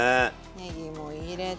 ねぎも入れて。